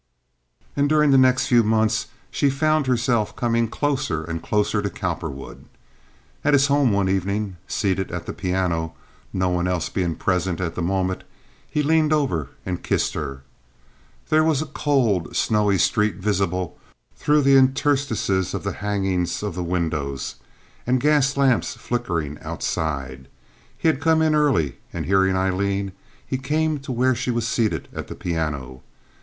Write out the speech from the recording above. And during the next few months she found herself coming closer and closer to Cowperwood. At his home one evening, seated at the piano, no one else being present at the moment, he leaned over and kissed her. There was a cold, snowy street visible through the interstices of the hangings of the windows, and gas lamps flickering outside. He had come in early, and hearing Aileen, he came to where she was seated at the piano.